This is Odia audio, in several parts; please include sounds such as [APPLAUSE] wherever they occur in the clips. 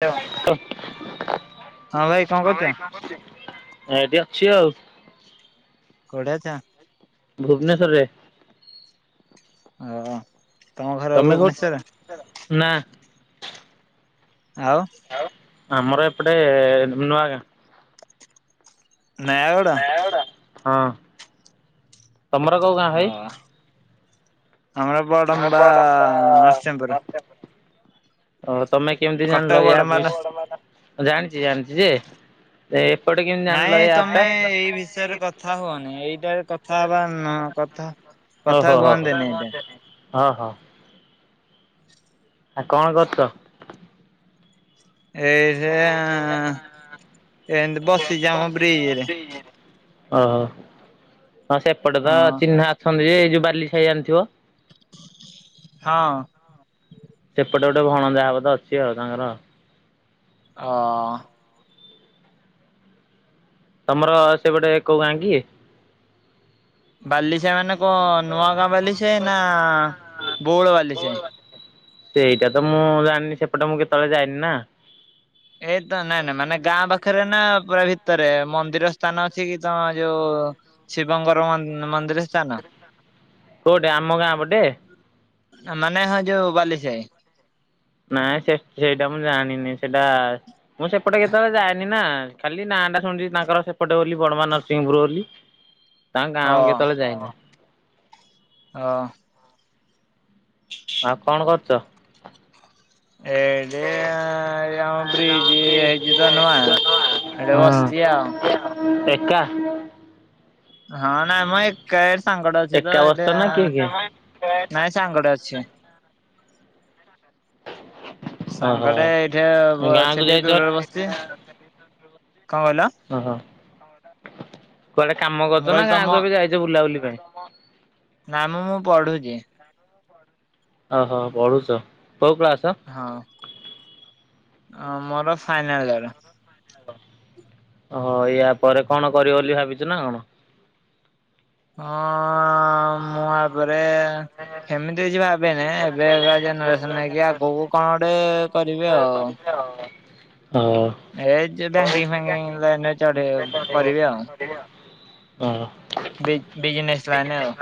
ହ୍ୟାଲୋ ହଁ ହଁ କଣ କରୁଛ? ଭାଇ କଣ କରୁଚୁ ଏଇଠି ଅଛି ଆଉ। କୋଉଡି ଅଛ? ଭୁବନେଶ୍ଵରରେ। ଅହୋ। ତମେ କଉଠି [UNINTELLIGIBLE] ନା। ଆଉ ଆଉ ଆମର ଏପଟେ ନୂଆଗାଁ। ନୟାଗଡ଼। ନୟାଗଡ଼ ହଁ ତମର କୋଉ ଗାଁ ଭାଇ। ହଁ ବଡମବା ଅଷ୍ଟେନେ ପୁରୁ। ଓ ତମେ କେମିତି କଟକ ଜାଣିଲ ୟା ବଡମ୍ବା ବି ମୋ ନରସିଂ ବଡମବା ନା ଜାଣିଛି ଜାଣିଛି ଯେ? ଯେ ଏପଟ କିିମିତି ନାଇଁ ଜାଣିଲ ଏ ତମେ ଆପଟା। ଏଇ ବିଷୟରେ କ କଥା ହୁଅନି ଏଇଟାରେ କଥା ହବା ନ କଥା ହୋ କଥା ହୋ ହୋ ହୁଅନ୍ତିନି ଏଇଟା [UNINTELLIGIBLE] ହଁ ହଁ। ଆଉ କଣ କରୁଚ? ଏଇ ଯେ ଏମତି ବସିଛି ଆମ ବ୍ରିଜରେ। ଓହୋ ହଁ ସେପଟେତ ହଁ ଚିହ୍ନା ଅଛନ୍ତି ଯୋଉ ବାଲିଖାଇ ଜାଣିଥିବ। ହଁ। ସେପଟେ ଗୋଟେ ଭଣଜା ହବ ତ ଅଛି ଆଉ ତାଙ୍କର। ହଁ। ତମର ସେପଟେ କୋଉ ଗାଁ କି? ବାଲି ସାଇ ମାନେ କଁ ନୂଆଗାଁ ବାଲିସାଇ ନା ବଉଳ ବାଲିସାଇ। ସେଇଟା ତ ମୁଁ ଜାଣିନି ସେପଟେ ମୁଁ କେତେବେଳେ ଯାଇନି ନା। ଏ ତ ନାଇଁ ନାଇଁ ମାନେ ଗାଁ ପାଖରେ ନା ପୁରା ଭିତରେ ମନ୍ଦିର ସ୍ଥାନ ଅଛି କି ତମ ଯୋଉ ଶିବଙ୍କର ମ ମନ୍ଦିର ସ୍ଥାନ। କୋଉଠି ଆମ ଗାଁ ପଟେ? ଆ ମାନେ ହଁ ଯୋଉ ବାଲି ସାଇ। ନାଇଁ ସେ ସେଇଟା ମୁଁ ଜାଣିନି ସେଇଟା ମୁଁ ସେପଟେ କେତେବେଳେ ଯାଏନି ନା। ଖାଲି ନାଁଟା ଶୁଣିଛି ତାଙ୍କର ସେପଟେ ବୋଲି ବଡମା ନରସିଂହପୁର ବୋଲି ତାଙ୍କ ଓ ଗାଁକୁ କେତେବେଳେ ଯାଇନି। ଅ [INAUDIBLE] ଆଉ କଣ କରୁଚ? ଏଇଠି ଏ ଆମ ବ୍ରିଜ ହେଇଚି ତ ନୂଆ। ହେଠେ ହଁ ବସିଚି ଆଉ। ଏକା? ହଁ ନାଇଁମ ଏକା ଏ ମୁଁ ସାଙ୍ଗଟେ ଅଛି ତ ଏକା ବସିଛ ଏଠି ନା କିଏ କିଏ? ନାଇଁ ସାଙ୍ଗଟେ ଅଛି। ଓହୋ ସାଙ୍ଗଟେ ଏଇଠେ ବ ଗାଁକୁ ସେ ଟିକେ ଯାଇଛ ଦୂରରେ ବସିଚି। କଣ କହିଲ? ଓହୋ କୁଆଡେ କାମ ମୁଁ କରୁଚ ନା କହିଲି ଗାଁ ତମ କୁ ଏବେ ଯାଇଚ ବୁଲାବୁଲି ପାଇଁ? ନାମ ମୁଁ ପଢୁଚି। ଓହୋ ପଢୁଚ। କୋଉ କ୍ଲାସ୍? ହଁ ମୋର ଫାଇନାଲୟର୍। ଓ ୟାପରେ କଣ କରିବ ବୋଲି ଭାବିଚୁ ନା କଣ? ହଁ ମୁଁ ଆ ପରେ [INAUDIBLE] ଏମିତି କିଛି ଭବେନି ଏବେକା ଜେନେରେସନ ନେଇକି ଆଗକୁ କଣ ଗୋଟେ କରିବି ଆଉ। ହୋଉ। ଏ ଯେ ବ୍ୟାଙ୍କିଙ୍କ୍ ଫ୍ୟାଙ୍କିଙ୍କ୍ ଲାଇନରେ ଚଢେଇ କରିବି ଆଉ। [UNINTELLIGIBLE] ହଁ। ବି-ବିଜିନେସ ଲାଇନ୍ ଆଉ।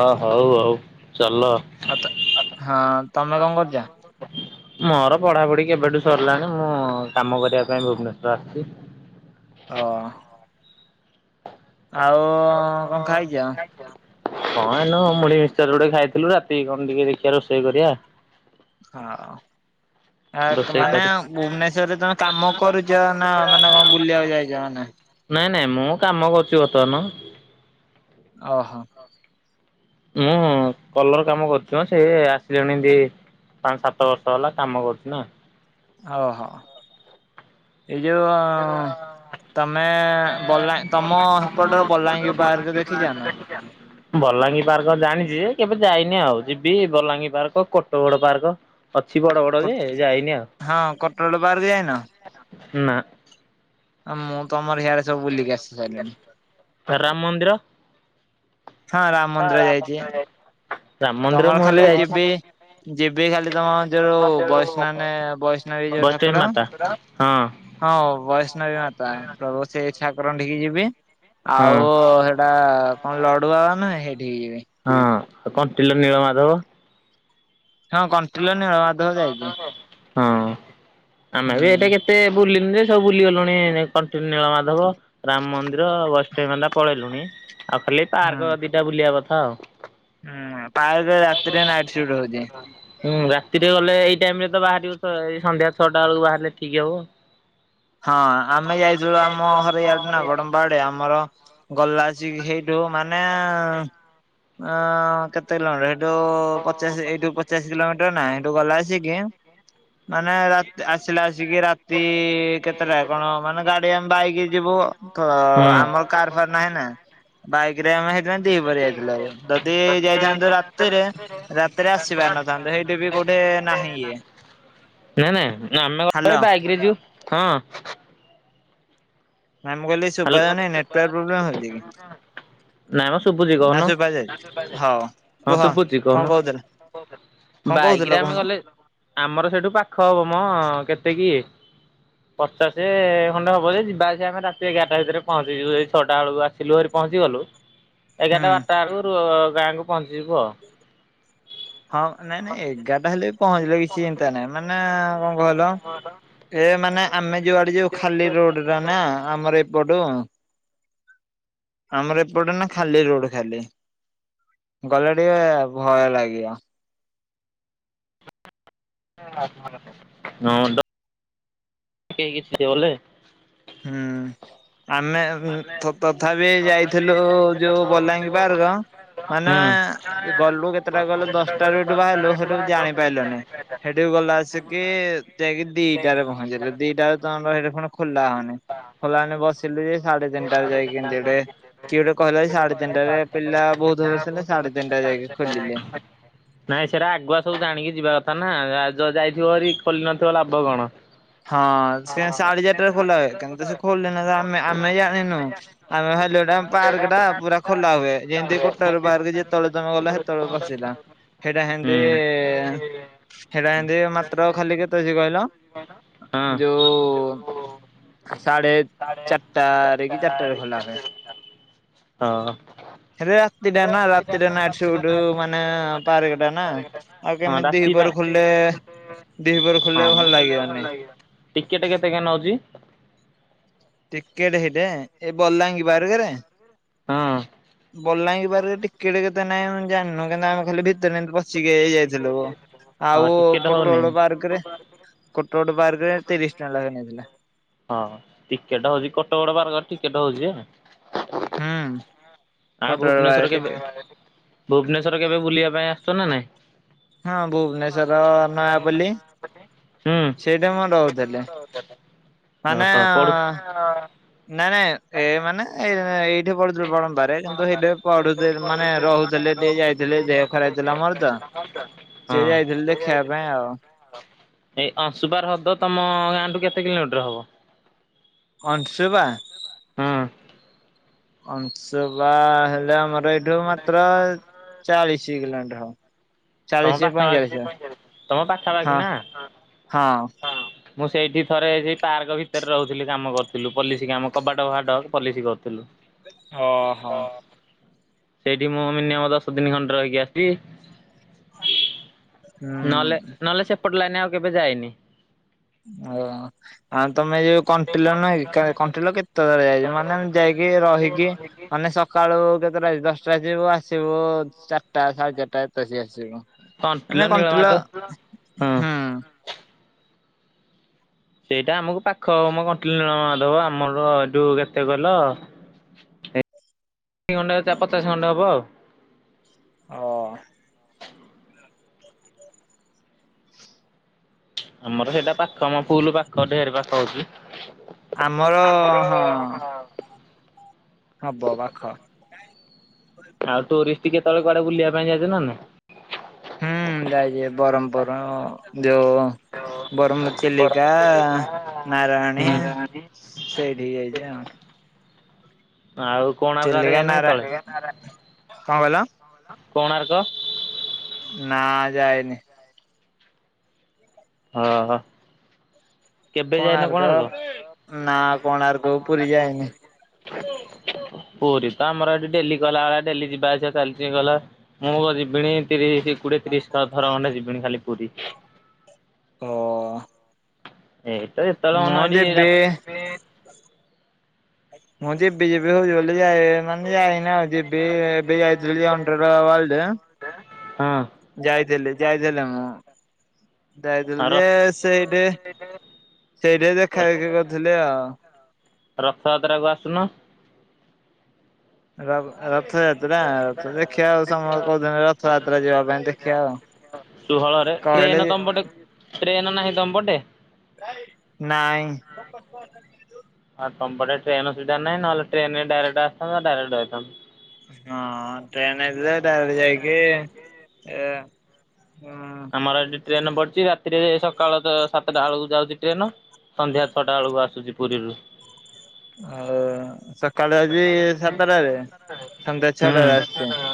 ଅ ହୋଉ ଆଉ ଚାଲ। ଆଉ ତ ହଁ ତମେ କଣ କରୁଚ? ମୋର ପଢାପଢି କେବେଠୁ ସରିଲାଣି। ମୁଁ କାମ କରିବା ପାଇଁ ଭୁବନେଶ୍ୱର ଆସିଚି। ଅ। ଆଉ କଣ ଖାଇଚ? କଣ ଏନୁ ମୁଢି ମିକ୍ସଚର ଗୋଟେ ଖାଇଥିଲୁ ରାତି କଣ ଟିକେ ଦେଖିବା ରୋଷେଇ କରିବା। ହଁ ଆଉ। ଆ ରୋଷେଇ ମାନେ କରି ଭୁବନେଶ୍ଵରରେ ତମେ କାମ କରୁଚ ନା ମାନେ କଣ ବୁଲିବାକୁ ଯାଇଚ ମାନେ। ନାଇଁ ନାଇଁ ମୁଁ କାମ କରୁଚି ବର୍ତ୍ତମାନ। ଓହ। ମୁଁ କଲର କାମ କରୁଚି ମ ସେ ଆସିଲୁଣି ଦି ପାଞ୍ଚ ସାତ ବର୍ଷ ହେଲା କାମ କରୁଚି ନା। ଓହୋ ଏଇ ଯୋଉ ଅଂ ତମେ ବଲା ତମ ସେପଟରେ ବଲାଙ୍ଗୀ ପାର୍କ ଦେଖିଚ ନା? ବଲାଙ୍ଗୀ ପାର୍କ ଜାଣିଚି ଯେ କେବେ ଯାଇନି ଆଉ ଯିବି ବଲାଙ୍ଗୀ ପାର୍କ କୋଟ ବଡ ପାର୍କ। ଅଛି ବଡ ବଡ ଯେ ଯାଇନି ହଁ କଟୋଳ ପାର୍କ ଯାଇନ? ଆଉ ନାଁ। ମୁଁ ତମର ଗାଁ ଆଡେ ସବୁ ବୁଲିକି ଆସି ସାଇଲିଣି। ରାମ ମନ୍ଦିର? ହଁ ରାମ ମନ୍ଦିର ଯାଇଥିବେ। ରାମ ମନ୍ଦିର ତମର ମୁଁ ହେଲେ ଖାଲି ଏ ଯାଇଛି। ଯିବି ଯିବି ଖାଲି ତମ ଯୋଉ ବୈଷ୍ଣନେ-ବୈଷ୍ଣବୀ ଯୋଉ ବୈଷ୍ଣବୀ ଠାକୁର। ମାତା ହଁ ହଁ ବୈଷ୍ଣବୀ ମାତା ପ୍ରଭୁ ସେଇ ଠାକୁରଙ୍କଠିକି ଯିବି। ହଁ। ଆଉ ହେଟା କଣ ଲଡୁଆ ବାବା ନୁହେଁ ହେଇଠି କି ଯିବି। ହଁ ଆଉ କଣ୍ଟିଲ ନୀଳ ମାଧବ? ହଁ କଣ୍ଟିଲ ନିଳମାଧବ ଯାଇଚି। ହଁ। ଆମେ ବି ଏଇଟା କେତେ ବୁଲିନି ଯେ ସବୁ ଭୁଲିଗଲୁଣି କଣ୍ଟି ନୀଳମାଧବ। ରାମ ମନ୍ଦିର ବୈଷ୍ଣବି ମନ୍ଦା ପଳେଇଲୁଣି ଆଉ ଖାଲି ପାର୍କ ଦିଟା ବୁଲିବା କଥା ଆଉ। ଉଁ ପାର୍କରେ ରାତିରେ ନାଇଟ୍ ସିଫ୍ଟ ରହୁଚି। ହୁଁ ରାତିରେ ଗଲେ ଏଇ ଟାଇମ୍ ରେ ତ ବାହାରିବୁ ତ ଏଇ ସନ୍ଧ୍ୟା ଛଅଟା ବେଳକୁ ବାହାରିଲେ ଠିକ୍ ହବ। ହଁ ଆମେ ଯାଇଥିଲୁ ଆମ ଘରେ ଇଆଡେ ନା ଗଡ ବାଡେ ଆମର ଗଲାଚିକ ହେଇଟୁ ମାନେ ଏଁ କେ ସେଇଠୁ ପଚାଶ ଏଇଠୁ ପଚାଶ କିଲୋମିଟର ଟ ନାଇଁ ଏଠୁ ଗଲା ଆସିକି, ମାନେ ରାତ ଆସିଲା ଆସିକି ରାତି କେତେଟା କଣ ମାନେ ଗାଡି ଆମେ ବାଇକି ଯିବୁ, ତ ଆମର କାର ଫାର ନାହିଁ ନା ବାଇକରେ ଆମେ ହେଇଥିପାଇଁ ଦ୍ବିପହରେ ଯାଇଥିଲୁ। ଯଦି ଯାଇଥାନ୍ତୁ ରାତିରେ ରାତିରେ ଆସି ପାରିନଥାନ୍ତୁ। ସେଇଠି ବି କୋଉଠି ନାହିଁ ଇଏ। ନାଇଁ ନାଇଁ, ଆମେ କଣ ପାଇଁ ହାଲୋ। ବାଇକରେ ଯିବୁ, ହଁ। ମାମୁଁ କହିଲେ [UNINTELLIGIBLE] ନାଇଁ ମ ଶୁଭୁଛି ନା କହୁନ, ଶୁଭା ଯାଉଛି? ହଉ ହଁ କୁହ ଶୁଭୁଛି କଣ କହୁନ। କହୁଥିଲ କଣ କହୁଥିଲ ବାଇକିରେ ଆମେ କହୁନ ଗଲେ, ଆମର ସେଇଠୁ ପାଖ ହବ ମ କେତେ କି ପଚାଶେ ଖଣ୍ଡେ ହବ ଯେ, ଯିବା ଆସିବା ଆମେ ରାତ ତି ଏଗାରଟା ଭିତରେ ପହଞ୍ଚି ଯିବୁ, ଏଇ ଛଅଟା ବେଳୁ ଆସିଲୁ ଭାରି ପହଞ୍ଚିଗଲୁ, ହୁଁ। ଏଗାରଟା ବାରଟାରୁ ରୁ ଗାଁକୁ ପହଞ୍ଚି ଯିବୁ ଆଉ। ହଁ, ନାଇଁ ନାଇଁ, ଏଗାରଟା ହେଲେ ବି ପହଞ୍ଚିଲେ କିଛି ଚିନ୍ତା ନାହିଁ। ମାନେ କଣ କହିଲ ଏ ମାନେ ଆମେ ଯୋଉଆଡେ ଯିବୁ, ଖାଲି ରୋଡଟା ନା ଆମର ଏପଟୁ। ଆମର ଏପଟେ ନା ଖାଲି ରୋଡ ଖାଲି। ଗଲେ ଟିକେ ଭୟ ଲାଗିବ। [INAUDIBLE] କେଇ କିଛି ଗଲେ ହୁଁ, ଆମେ ଆଉ ଉମ୍ ତଥାପି ଯାଇଥିଲୁ ଯୋଉ ବଲାଙ୍ଗୀ ପାର୍କ ମାନେ ହୁଁ ଗଲୁ କେତେ ସାତଟା ଗଲେ ଦଶଟାରୁ ଏଠୁ ବାହାରିଲୁ, ସେଠୁ ଜାଣିପାଇଲୁନି। ସେଠିକୁ ଗଲା ଆସିକିି ଯାଇକି ଦିଟାରେ ପହଞ୍ଚିଲୁ। ଦିଟା ବେଳକୁ ତମର କଣ ହେଇଟି କଣ ଖୋଲା ହଉନି ଖୋଲା ହଉନି ବସ ସିଲୁ ଯେ ସାଢେ ତିନିଟାରେ ଯାଇ କେନ୍ତି ଗୋଟେ, କିଏ ଗୋଟେ କହିଲା ଯେ ସାଢେ ତିନିଟାରେ ପିଲା ବହୁତ ହବ ସିଲେ [UNINTELLIGIBLE] ନାଇଁ ସେଇରା ଆଗୁଆ ସବୁ ଜାଣିକି ଯିବା କଥା ନା, ଯ ଯାଇଥିବ ହାରି ଖୋଲି ନଥିବ ଲାଭ କଣ? ହଁ, ସେ ସାଢେ ଚାରିଟାରେ ଖୋଲା ହୁଏ। କାରଣ ତ ସେ ଖୋଲି ନଥିଲା ଆମେ-ଆମେ ଜାଣିନୁ, ଆମେ ଭାବିଲୁ ଏଇଟା ପାର୍କଟା ପୁରା ଖୋଲା ହୁଏ। ଯେନ୍ତି କୋଟଗଡ଼ ପାର୍କ ଯେତେବଳେ ତମେ ଗଲ, ସେତେବେଳେ ପଶିଲ। ହେଇଟା ହୁଁ ହେମତି ହେଇଟା ଏନ୍ତି ମାତ୍ର ଖାଲି କେତେ ହଉଚି କହିଲ? ହଁ ଯୋଉ ସାଢ଼େ ଚାରିଟାରେ କି ଚାରିଟାରେ ଖୋଲା ହୁଏ। ହଁ। ରେ ରାତିଟା ନା, ରାତିରେ ନାଇଟ୍ ସୁଟ ମାନେ ପାର୍କଟା ନା। ଆଉ ହଁ କେମିତି ରାତି ଦ୍ୱିପହରୁ ପାଇଁ ଖୋଲିଲେ, ଦ୍ୱିପହରୁ ଖୋଲିଲେ ଭଲ ଲାଗିବନି। ଟିକେଟ୍ କେତେ କେ ନଉଛି? ଟିକେଟ୍ ହେଇଟା, ଏ ବଲାଙ୍ଗୀ ପାର୍କରେ? ହଁ ବଲାଙ୍ଗୀ ପାର୍କରେ ଟିକେଟ୍ କେତେ ନାହିଁ ଆମେ ଜାଣିନୁ, କିନ୍ତୁ ଆମେ ଖାଲି ଭିତରେ ଏମତି ପଶି ଶିକି ହେଇଯାଇଥିଲୁ। ହଁ ଆଉ ଟିକେଟ ହଉନି। କୋଟଗଡ଼ ପାର୍କରେ କୋଟଗଡ଼ ପାର୍କରେ ତିରିଶ ଟଙ୍କା ଲେଖାଁ ନେଇଥିଲା। ହଁ ଟିକେଟ ହଉଛି, କୋଟଗଡ଼ ପାର୍କରେ ଟିକେଟ ହଉଛି ଯେ ହୁଁ। ଆଉ କୋଟଗଡ ଭୁବନେଶ୍ଵର ପାର୍କ କେବେ, ଟିକେ ଭୁବନେଶ୍ଵର କେବେ ବୁଲିବା ପାଇଁ ଆସୁଚ ନା ନାଇଁ? ହଁ ଭୁବନେଶ୍ଵର ନୟାପଲ୍ଲୀ ସେଇଠି ମୁଁ ରହୁଥିଲି ହୁଁ। ମାନେ ଓହୋ ପଢୁ ନାଇ ନାଇଁ, ଏଇ ମାନେ ଏଇ ଏଠି ପଢୁଥିଲି ବଳମ୍ବାରେ, କିନ୍ତୁ ସେଇଠି ପଢୁଥିଲେ ମାନେ ରହୁଥିଲେ ଟିକେ ଯାଇଥିଲି ଦେହ ଖରାପ ହେଇଥିଲା ମୋର ତ ସେଇ ହଁ। ଯାଇଥିଲି ଦେଖେଇବା ପାଇଁ ଆଉ। ଏଇ ଅଂଶୁପା ହ୍ରଦ ତମ ଗାଁଠୁ କେତେ କିଲୋମିଟର ହବ? ଅଂଶୁପା? ହଁ ଅଂଶୁପା ହେଲେ ଆମର ଏଇଠୁ ମାତ୍ର ଚାଳିଶ କିଲୋ ମିଟର ହବ। ତମ ଚାଳିଶ ପାଖା ପଇଁଚାଳିଶ ପାଖି ତମ ପାଖା ପାାଖି ହଁ ନା। ହଁ। ମୁଁ ସେଇଠି ଥରେ ସେଇ ପାର୍କ ଭିତରେ ରହୁଥିଲି କାମ କରୁଥିଲୁ ପଲିସିି କାମ କବାଟ ଫବାଡ ପଲିସିି କରୁଥିଲୁ। ଅ ହ। ସେଇଟି ମୁଁ ମିନିଅମ ଦଶ ଦିନି ଖଣ୍ଡେ ରହିକି ଆସିଚି। ନଲେ ହୁଁ ନଲେ ସେପଟ ଲାଇନି ଆଉ କେବେ ଯାଇନି। ଆଉ ଆଉ ତମେ ଯୋଉ କଣ୍ଟିଲ ନୁହଁ କି କଣ୍ଟିଲ କେତେ ତର ଯାଇଚି ମାନେ ଯାଇକି ରହିକି ମାନେ ସକାଳୁ କେତେଟା କି ଦଶଟା ଜିବୁ ଆସିବୁ ଚାଟା ସାଢ଼େ ଚାଟା ଏତେ ସି ଆସିବୁ। କଣ୍ଟିଲ ମାନେ କଣ୍ଟିଲ ନୀଳମାଧବ ହଁ। ହୁଁ। ସେଇଟା ଆମକୁ ପାଖ ହବ ମ କଣ୍ଟିଲ ନୀଳମାଧବ ଆମର ଏ ଯୋଉ କେତେ କହିଲ? ଏଇ ତିନି [UNINTELLIGIBLE] ପଚାଶ ଖଣ୍ଡେ ହବ ଆଉ। ଅ। ଆମର ସେଇଟା ପାଖ ଆମ ଫୁଲ ପାଖ ଢେର ପାଖ ହଉଚି। ଆମର ଆମର ହଁ। ହବ ପାଖ। ଆଉ ଟୁରିଷ୍ଟ କେ ତଳେ କୁଆଡେ ବୁଲିବା ପାଇଁ ଯାଉଛ ନା? ହୁଁ ଯାଇଚି ବରମପୁର ଯଉ ବର୍ମ ଚିଲିକା ନାରାୟଣୀ ହୁଁ ସେଇଠି କି ଯାଇଛି ଆଉ। ଆଉ କୋଣାର୍କ ଆଡେ ଯାଇନ କେତଳେ? କଁ କହିଲ? କୋଣାର୍କ। ନା ଯାଇନି। ଓ ହୋ। କୋଣାର୍କ ନା କୋଣାର୍କ ପୁରୀ ଯାଇନି। ପୁରୀ ତ ଆମର ଏଠି ଡେଲି କହିଲାବଳିଆ ଡେଲି ଯିବା ଆସିବା ଚାଲିଚି ଗଲା। ମୁଁ ପା ଯିବିଣୀ ତିରିଶ କୋଡିଏ ତିରିଶ ଥର ଖଣ୍ଡେ ଯିବିଣୀ ଖାଲି ପୁରୀ। ଓ। ଏଇ ତ ଯେତେବେଳେ ମୁଁ ମନ ଏଠି ରା ଯିବି [UNINTELLIGIBLE] ମୁଁ ଯିବି ଯିବି ହଉଛି ବୋଲି ଯା ମାନେ ଯାଇନି ଆଉ ଯିବି ଏବେ ଯାଇଥିଲି ଅଣ୍ଡର ୱାଲ୍ଡ୍ ହଁ। ଯାଇଥିଲି ଯାଇଥିଲି ମୁଁ। ଯାଇଥିଲୁ ର ଯେ ସେଇଟି [UNINTELLIGIBLE] ସେଇଠି ଦେଖାହେଇକି କରିଥିଲି ଆଉ। ରଥଯାତ୍ରା କୁ ଆସୁନ। ରବ ରଥଯାତ୍ରା ଦେଖିଆ ଆଉ ସମ କୋଉଚନ୍ତି ରଥଯାତ୍ରା ଯିବା ପାଇଁ ଦେଖିଆ ଆଉ। ଷୋହଳରେ କହିଲେ ଟ୍ରେନ ତମପଟେ ଟ୍ରେନ ନାହିଁ ତମପଟେ? ନାଇଁ। ଆ ତମ ପଟେ ଟ୍ରେନସୁବିଧା ନାଇଁ ନହେଲେ ଟ୍ରେନରେ ଡାଇରେକ୍ଟ ଆସିଥାନ୍ତ ଡାଇରେକ୍ଟ ଯାଇଥାନ୍ତ। ହଁ ଟ୍ରେନ ହେଇଥିଲେ ଡାଇରେକ୍ଟ ଯାଇକି ଏ ଉଁ। ଆମର ଏଠି ଟ୍ରେନ ପଡ଼ିଛି ରାତିରେ ସକାଳତ ସାତଟା ବେଳକୁ ଯାଉଛି ଟ୍ରେନ। ସନ୍ଧ୍ୟା ଛଅଟା ବେଳକୁ ଆସୁଚି ପୁରୀରୁ। ଆଉ ସକାଳୁ ଆଜି ସାତଟାରେ ସନ୍ଧ୍ୟା ଛଅଟାରେ ଆସିଛି। ଉଁ।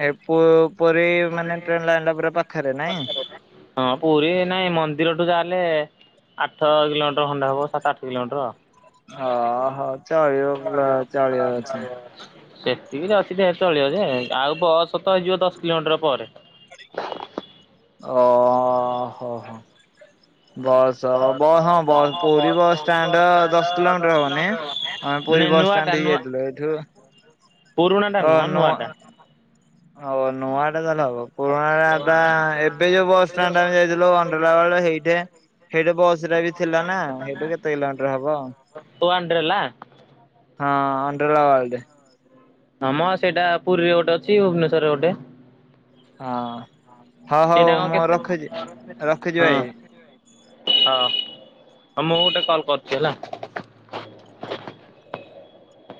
ହେ ପୋ ପୁରୀ ମାନେ ଟ୍ରେନ ଲାଇନରା ପୁରା ପାଖରେ ନାଇଁ? ହଁ ପୁରୀ ନାଇଁ ମନ୍ଦିରଠୁ ଯାହେଲେ ଆଠ କିଲୋମିଟର ଖଣ୍ଡେ ହବ ସାତ ଆଠ କିଲୋମିଟର। ଅ ହ ଚଳିବ ପ ଚଳିବ ଅଛି। ସେତିକିରେ ଅଛି ଯେହେତୁ ଚଳିବ ଯେ ଆଉ ବସ ତ ହେଇଯିବ ଦଶ କିଲୋମିଟର ପରେ। ଓ ହୋ ହୋ। ବସ ବ ହଁ ବ ପୁରୀ ବସଷ୍ଟାଣ୍ଡ ଦଶ କିଲୋମିଟର ହବନି। ଆମେ ପୁରୀ ନାଇଁ ନୂଆଟା ବସଷ୍ଟାଣ୍ଡ ଦେଇ ନୂଆ ଯାଇଥିଲୁ ଏଇଠୁ। ପୁରୁଣାଟା ଓ ନୁହଁ ନୂଆ ନୂଆଟା। ହ ନୂଆ ବାଟେ ତାହେଲେ ହବ। ପୁରୁଣା [UNINTELLIGIBLE] ଟା ଏବେ ଯୋଉ ବସଷ୍ଟାଣ୍ଡ ଆମେ ଯାଇଥିଲୁ [UNINTELLIGIBLE] ସେଇଠି ସେଇଠୁ ବସରା ବି ଥିଲା ନା ହେଇଠୁ କେତେ କିଲୋମିଟର ହବ। ୱାଣ୍ଡରେଲା? ହଁ ଅଣ୍ଡରେଲା ୱାଲଡେ। ହଁମ ସେଇଟା ପୁରୀରେ ଗୋଟେ ଅଛି ଭୁବନେଶ୍ଵରରେ ଗୋଟେ। ହଁ ହଉ ହଉ ସେଇଟା କଁ ମୁଁ କେତେ ରଖୁଛି ରଖୁଛି ଭାଇ। ହଁ। ହଁ ହଁ ମୁଁ ଗୋଟେ କଲ କରୁଚି ହେଲା।